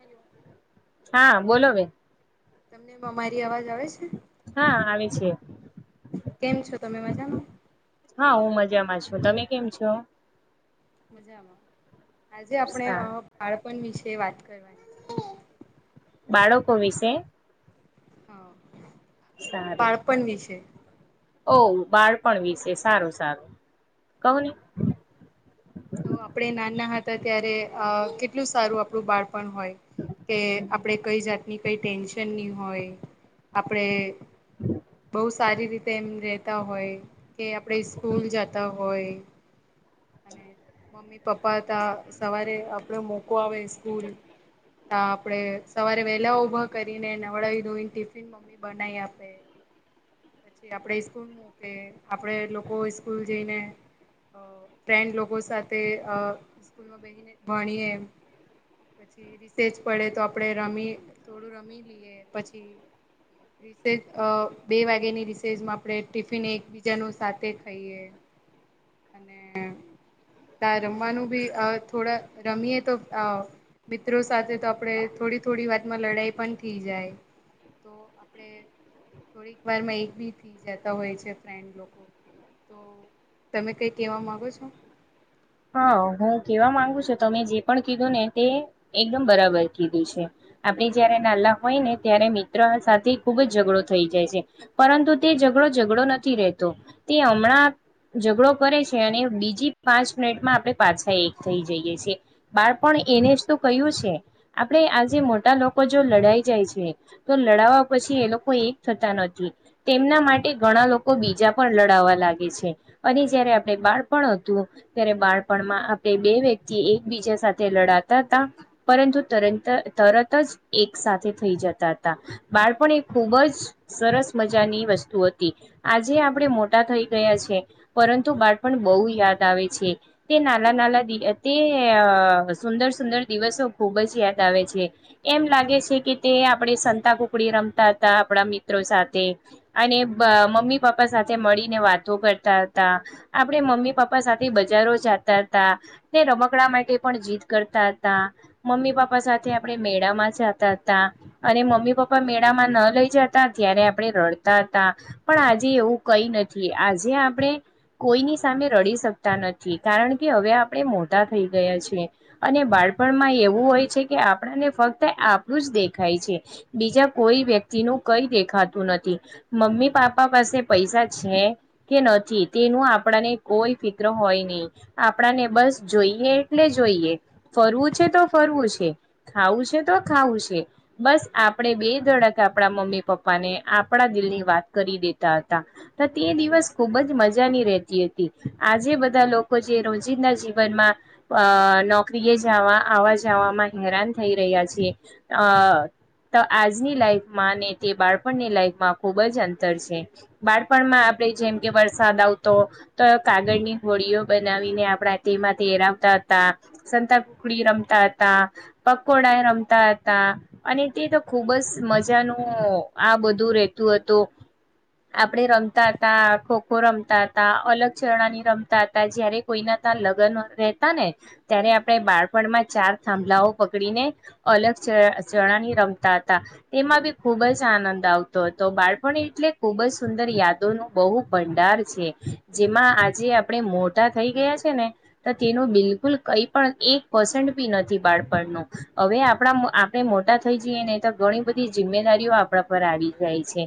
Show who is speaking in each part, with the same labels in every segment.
Speaker 1: Hello
Speaker 2: હા બોલો બેન.
Speaker 1: તમનેમાં અમારી અવાજ આવે છે.
Speaker 2: હા આવે છે
Speaker 1: કેમ છો તમે મજામાં
Speaker 2: હા હું મજામાં છો તમે કેમ છો?
Speaker 1: મજામાં આજે આપણે અ
Speaker 2: સારું
Speaker 1: બાળપણ વિશે? તે વાત કરવાની
Speaker 2: બાળકો વિશે
Speaker 1: હ
Speaker 2: સારું
Speaker 1: બાળપણ વિશે
Speaker 2: ઓ બાળપણ વિસે સારું સારું કવ ને
Speaker 1: તો આપણે નાના હતા ત્યારે અ કે કેટલું સારું આપણું બાળપણ હોય કે આપણે કઈ જાતની કઈ ટેન્શન ની હોય આપણેે બોવ સારી રીતે એમ રેતા હોય કે આપણે સ્કૂલ જતા હોય અને મમ્મી પપ્પા હતા સવારે આપડે મુકવા આવે સ્કૂલ તા આપણેે સવારે વેલા ઉભા કરીને નવળાવ ધોય ટિફિન મમ્મી બનાય આપે પછી આપડે સ્કૂલ નું કે આપડે લોકો સ્કૂલ જઈને અ. ફ્રેન્ડ લોકો સાથે સ્કૂલમાં બેહીને ભણીએ એમ. પછી રિસેચ પડે તો આપડે રમી થોડું રમી લઈએ પછી. રિસેચ અ બે વાગ્યાની રિસેચમાં આપણે ટિફિન એકબીજાનું સાથે ખાઈએ. અને. ત રમવાનું બી થોડા રમીએ તો. મિત્રો સાથે તો આપણે થોડી થોડી વાતમાં લડાઈ પણ થઈ જાય. તો આપડ થોડીક વાર એક બી થી જતા હોય છે ફન્ડ લોકો. તો તમે કઈ કેવા માંગો છો!
Speaker 2: હા હું કેવા માંગુ છું તમે જે પણ કીધું ને તે એકદમ બરાબર કીધું છે. આપણે જયારે નાનલા હોય ને ત્યારે મિત્ર સાથે ખુબ જ ઝઘડો થઈ જાય છે પરંતુ તે ઝઘડો નથી રતો તે હમણાં ઝઘડો કરે છે અને બીજી પાંચ મિનટમાં આપણે પાછા એક થઈ જઈએ છીએ. બાળપણ એને જ તો કહ્યું છે. આપડે આજે મોટા લોકો જો લડાઈ જાય છે તો લડાવા. પછી એ લોકો એક થતા નથી. તેમના માટે ઘણા લોકો બીજા પણ લડાવા લાગે છે. અને જયારે આપણે બાળપણ એું [unintelligible] ત્યારે બાળપણમાં આપણે બે વ્યક્તિ એકબીજા સાથે લડાતા હતા પરંતુ તરંત તરત જ એક સાથે થઈ જતા હતા. બાળપણ એ ખુબ જ સરસ મજાની આજે આપણે મોટા થઈ ગયા છે પરંતુ બાળપણ બહુ યાદ આવે. છે. તે નાલા નાલા તે સુંદર સુંદર દિવસો ખુબ જ યાદ આવે છે. એમ લાગે છે કે તે આપણે સંતા કુકડી રમતા હતા આપણા મિત્રો સાથે. અને મમ્મી પપ્પા સાથે મળીને વાતો કરતા હતા આપડે મમ્મી પપ્પા સાથે. બજારો જતા હતા. તે રમકડા માટે પણ જીત કરતા હતા. મમ્મી પપ્પા સાથે આપણે મેળા માં જતા હતા અને મમ્મી પપ્પા મેળામાં ન લઈ જતા ત્યારે આપણે રડ હતા પણ આજે એવું કઈ નથી આજે આપણે કોઈની સામે રડી શ તા નથી કારણ કે હવે આપણે મોટા થઈ ગયા છીએ અને બાળપણમાં એવું હોય છે કે આપણને ફક્ત આપણું જ દેખાય છે બીજા કોઈ વ્યક્તિનું કઈ દેખાતું નથી. મમ્મી પાપા પાસે પૈસા છે કે નથી તેનું આપણાને કોઈ ક્રર હોય ની આપણાને બસ જોઈએ એટલે જોઈએ ફરવું છે તો ફરવું છે. ખાવું છે તો ખાવું છે બસ આપણેે બે ધડક આપણા મમ્મી પપ્પા ને આપ આપણા દિલની વાત કરી દેતા હતા તો તે દિવસ ખુબ જ મજાની રહેતી હતી. આજે બધા લોકો જે રોજિંદા જીવનમાં અ નોકરીએ જવા આવવા જવામાં મા હેરાન થઈ રહ્યા છે અ તો આજની લાઈફમાં ને તે બાળપણની લાઈફમાં ખુબ જ અંતર છે બાળપણમાં આપણે જેમકે વરસાદ આવતો તો કાગળની હોડીઓ બનાવીને આપડે તેમાંથી હરાવતા હતા સંતાકુકડી રમતા હતા. પકોડા રમતા હતા અને તે તો ખુબ જ મજા ન આ બધુ રેતું હતું આપણે રમતા હતા ખો ખો રમતા હતા અલગ ચરણાની રમતા હતા જયારે કોઈના ત્યા લગ્ન રહેતા ને ત્યારે આપણે બાળપણમાં ચાર થાભલાઓ પકડીને અલગ ચણાની રમતા હતા તેમાં બી ખુબ જ આનંદ આવતો તો બાળપણ એટલે ખુબ જ સુંદર યાદોનું બહુ ભંડાર છે. જેમાં આજે આપણે મોટા થઈ ગયા છે ને તો તેનું બિલકુલ કઈ પણ એક પર્સન્ટ બી નથી બાળપણ હવે આપણા આપણે મોટા થઈ જઈએને તો ઘણી બધી જિમ્દારીઓ આપડા પર આવી જાય છે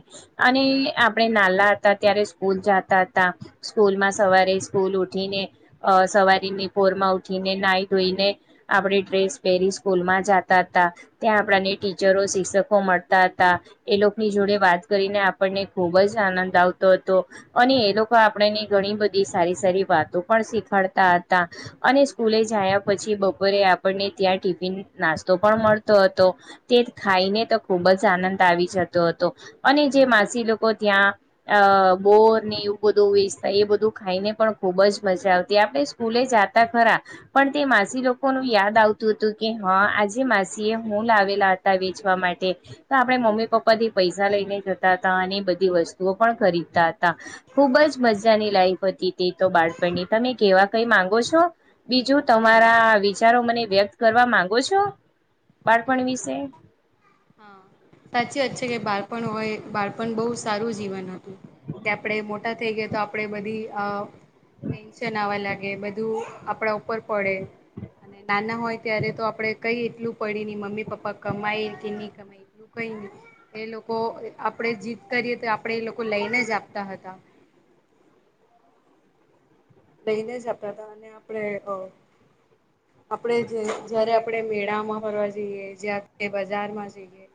Speaker 2: અને આપણે નાલા હતા ત્યારે સ્કૂલ જતા હતા. સ્કૂલમાં સવારે સ્કૂલ ઉઠીને અ સવારીની પોરમાં ઠીને નાઈ ધોઈને આપણે ડ્રેસ પહેરી સ્કૂલમાં જાતા હતા ત્યાં આપણા ટીચરો શિક્ષકો મળતા હતા એ લોકોની જોડે વાત કરીને આપણને ખુબ જ આનંદ આવતો હતો. અને એ લોકો આ આપણેને ઘણી બધી સારી સારી વાતો પણ શીખાડતા હતા અને સ્કૂલે જયા પછી બ પોરે આપણને ત્યાં ટિફિન નાસ્તો પણ મળતો હતો તે ખાઈને તો ખુબ જ આનંદ આવી જતો હતો અને જે માસી લોકો ત્યાં અ બોર ને એવું બધું ખાઈને પણ ખુબ જ મજા આવતી આપણે સ્કૂલે જતા ખરા પણ તે માસી લોકોનુ યાદ આવતું હતું કે હા આજે માસી એ હું લાવેલા હતા વેચવા માટે આપણે મમ્મી-પપ્પા થી પૈસા લઈને જતા હતા અને એ બધી વસ્તુઓ પણ ખરીદતા હતા. ખુબ જ મજાની લાઈફ હતી તે તો બાળપણની તમે કેવા કઈ માંગો છો. બીજું
Speaker 1: હા
Speaker 2: તમારા વિચારો મને વ્યક્ત કરવા માંગો છો.
Speaker 1: હ
Speaker 2: બાળપણ વિશે
Speaker 1: હ સાચી વાત છે કે બળપણ હોય બાળપણ બહુ સારું જીવન હતું કે આપણે મોટા થઈ ગયા તો આપણે બધી આ ટેન્શન આવવા લાગે બધું આપણા ઉપર પડે અને નાના હોય ત્યારે તો આપડે કઈ એટલું પડી મમ્મી પપ્પા કમાય કે નહી કમાય એટલે કઈની એ લોકો આપણેે જીત કરીએ તો આપણેે એ લોકો લઈને જ આપતા હતા. લઈને જ આપતા હતા અને આપણે અ આપણે જે જયારે આપણે મેળામાં ફરવા જઈએ જ્યા બજારમાં જઈએ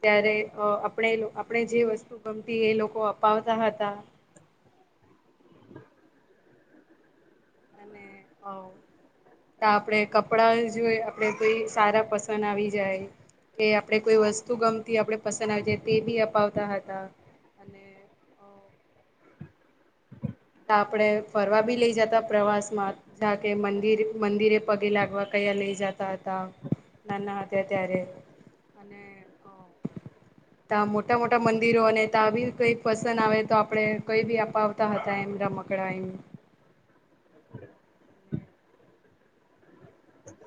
Speaker 1: ત્યારે અ આપણે આપણે જે વસ્તુ ગમતી એ લોકો અપાવતા હતા. [inaudible] અને અ તો આપડે કપડા જોઈ આપડે કોઈ સારા પસંદ આવી જાય કે આપણે કોઈ વસ્તુ ગમતી આપણે પસંદ આવી જાય તે બી અપાવતા હતા અને ઓ આપણે ફરવા બી લઈ જતા પ્રવાસમાં જા કે મંદિર મંદિરે પગે લાગવા કઈ લઈ જતા હતા નાના હતા ત્યારે અને [inaudible] ત્યા મોટા મોટા મંદિરોને ત્યાં બી કઈ પસંદ આવે તો આપણેે કઈ બી અપાવતા હતા એમ રમકડા એમ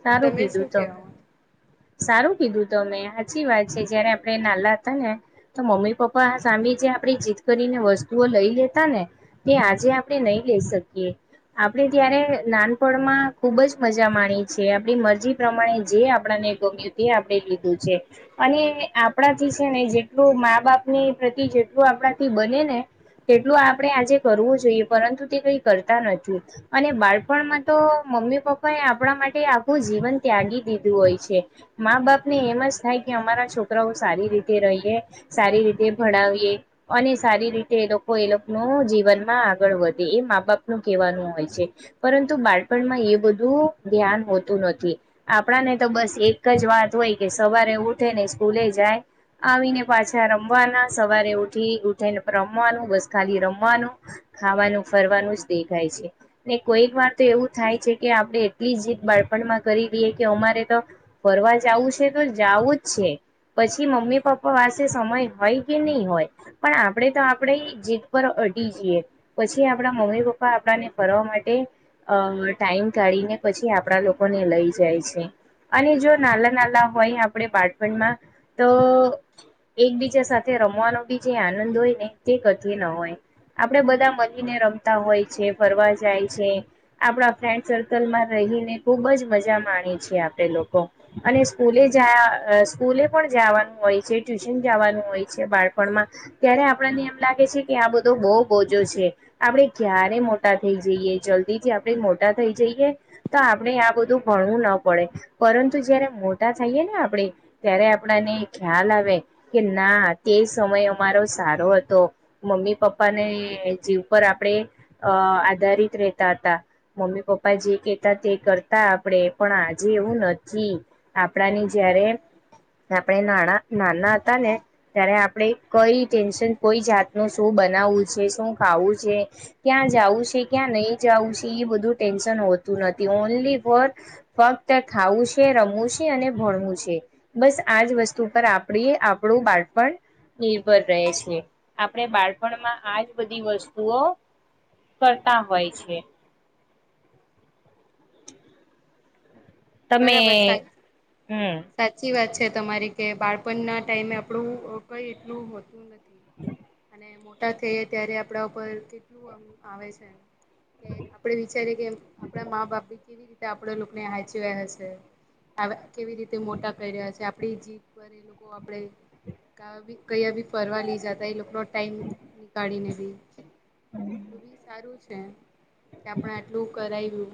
Speaker 2: સારું
Speaker 1: તમે
Speaker 2: કીધું
Speaker 1: શું
Speaker 2: તો
Speaker 1: કેવા
Speaker 2: [inaudible] સારું કીધું તો મેમે સાચી વાત છે જયારે આપે નાલા હતા ને તો મમ્મી પપ્પા સામે જે આપણે જીત કરીને વસ્તુઓ લઈ લેતા ને તે આજે આપણે નહી લઈ શકીએ. આપડે ત્યારે નાનપણમાં ખુબ જ મજા માણી છે. આપણી મરજી પ્રમાણે જે આપણાને ગમ્યું તે આપણે લીધું છે અને આપણાથી ને જેટલું મા બાપ ની પ્રતિ જેટલું આપણાથી બને ને તેટલું આપણે આજે કરવું જોઈએ પરંતુ તે કઈ કરતા નથી અને બાળપણમાં તો મમ્મી પપ્પા એ આપણા માટે આખું જીવન ત્યાગી દીધું હોય છે મા બાપને એમ જ થાય કે અમારા છોકરાઓ સારી રીતે રહીએ સારી રીતે ભણાવીએ અને સારી રીતે એ લોકો એ લોકો ન જીવનમાં આગળ વધે એ મા બાપનું કવાનું હોય છે પરંતુ બાળપણમાં એ બધું ધ્યાન હોતું નથી આપણા ને તો બસ એક જ વાત હોય કે સવારે ઉઠે ને સ્કૂલે જાય આવીને પાછા રમવાના સવારે ઉઠી ઉઠીને રમવાનું બસ ખાલી રમવાનું ખાવાનું ફરવાનું જ દેખાય છે ને કોઈક વાર તો એવું થાય છે કે આપડણે એટલી જી બાળપણમાં કરી દઈએ કે અમારે તો ફરવા જવું છે તો જવું જ છે. પછી મમ્મી પપ્પા પાસે સમય હોય કે નહી હોય પણ આપણેે તો આપણે જીત પર પટી જએ પછી આપણા મમ્મી પપ્પા આપડાને ફરવા માટે અ ટાઈમ કાઢીને પછી આપણા લોકોને લઈ જાય છે. અને જો નાલા નાલા હોય આપણે પાટપણમાં તો એકબીજા સાથે રમવાનો બી જે આનંદ હોય ને તે કથ ન હોય. આપડે બધા માળીને રમતા હોય છે ફરવા જાય છે. આપણા ફ્રેન્ડ સર્કલમાં રહીને ખુબ જ મજા માણીએ છીએ આપણે લોકો અને સ્કૂલે જયા સ્કૂલે પણ જવાનું હોય છે ટ્યુશન જવાનું હોય છે બાળપણમાં ત્યારે આપણને એમ લાગે છે કે આ બધો બહ બજો છે. આપણે ક્યારે મોટા થઈ જઈએ જલ્દી થી આપણે મોટા થઈ જઈએ તો આપ આ બધું ભણવું ના પડે પરંતુ જયારે મોટા થઈએ ને આપણેે ત્યારે આપણાને ખ્યાલ આવે કે ના તે સમય અમારો સારો હતો મમ્મી પપ્પા ને જવ પર આપણે આધારિત રેતા હતા મમ્મી પપ્પા જે કહેતા તે કરતા આપણેે પણ આજે એવું નથી આપડાની જયારે આપણે નાના નાના હતા ને ત્યારે આપણે કઈ ટેન્શન કોઈ જાત ન શું બનાવું છે શું ખાવું છે ક્યાં જવું છે ક્યાં નહી જાવું છે એ બધું ટેન્શન હોતું નથી. ફત ખાવું છે રમું છે અને ભણવું છે બસ આજ વસ્તુ પર આપણી આપણું બાળપણ નિર્ભર રહે છે આપણે બાળપણમાં આજ બધી વસ્તુઓ કરતા હોય છે. તમે
Speaker 1: બરાબર સાચ
Speaker 2: હમ
Speaker 1: સાચી વાત છે. તમારી કે બાળપણના ટાઈમે આપણું કઈ એટલું હોતું નથી. [inaudible] અને મોટા થઈએ ત્યારે આપણા ઉપર કેટલું આમ આવે છે. કે આપડે વિચારીએ કે આપડા મા બાપી કેવી રીતે આપડ લોકોને હ છે. કેવી રીતે મોટા આપણી જીત પર એ લોકો આપે ક કયા બી ફરવા લી જાતા એ લોકોનો ટાઈમ નીકાળીને બી તો બી સારું છે. કે આપણે આટલું કરાવ્યું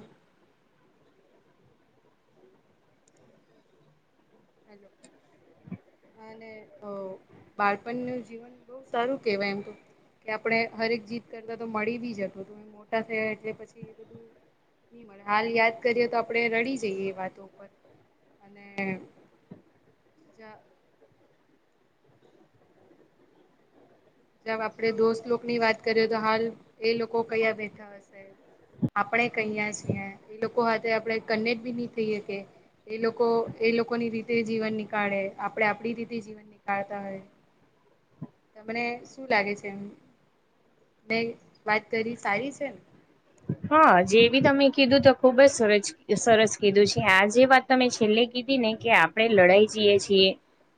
Speaker 1: હલોો. અને બાળપણ ન જીવન બહ સારું કેવાય એમ તો કે આપણે હરેક જીત કરતા તો મળી બી જ હત તો મોટા થયા એટલે પછી એ બધું ન હાલ યાદ કરીએ તો આપણે રડી જઈએ એ વાતો ઉપર અને [inaudible] જબ આપડે દોસ્ત લોકો ની વાત કરીએ તો હાલ એ લોકો કયા બેઠા હશે આપણે કહીયા છી એ લોકો હાથે આપણે કનેક્ટ બી નહી થઈ શકે એ લોકો એ લોકો ની રીતે જીવન નીકાળે આપડે આપડી રીતે જીવન નીકાળતા હોય તમને શું લાગે છે એ મેં વાત કરી સારી છે ને!
Speaker 2: હા જે બી તમે કીધું તો ખુબ જ સરસ સરસ કીધું છે. આ જે વાત તમે છેલ્લે કી કીધી ને કે આપણે લડાઈ જઈએ છીએ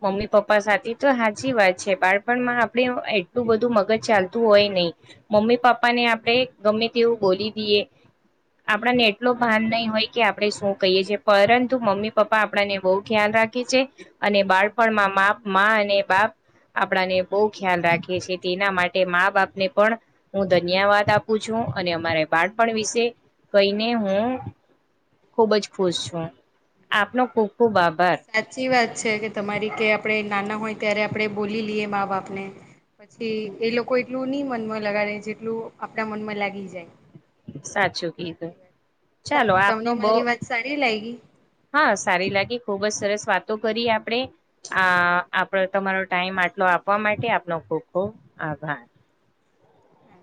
Speaker 2: મમ્મી પપ્પા સાથે તો સાચી વાત છે. બાળપણમાં આપડે એટલું બધું મગજ ચાલતું હોય નહી. મમ્મી પપ્પા ને આપડે ગમે તેવું બોલી દઈએ. આપણને એટલો ભાન નહીં હોય કે આપણે શું કહીએ છેએ પરંતુ મમ્મી પપ્પા આપણને બહુ ખ્યાલ રાખે. રાખે છે. અને બાળપણમાં માપ અને બાપ આપણાને બહુ ખ્યાલ રાખે છે. તેના માટે મા બાપને પણ હું ધન્યવાદ આપું છું. અને અમારા બાળપણ વિશે કહીને હું ખુબ જ ખુશ છું. આપનો ખુબ ખુબ આભાર.
Speaker 1: સાચી વાત છે કે તમારી કે આપણે નાના હોય ત્યારે આપણે બોલી લઈએ મા બાપને પછી એ લોકો એટલું નઈ મનમાં લગાડે જેટલું આપડા મનમાં લાગી જાય.
Speaker 2: સાચું કીધું.
Speaker 1: સાચી વાત
Speaker 2: ચાલો
Speaker 1: તમને
Speaker 2: આપનું બહ
Speaker 1: મારી વાત સારી લાગી
Speaker 2: હા સારી લાગી. ખુબ જ સરસ વાતો કરી આપણે આ આપડે તમારો ટાઈમ આટલો આપવા માટે આપનો ખુબ ખુબ આભાર.
Speaker 1: હા